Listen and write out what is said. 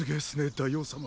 大王様。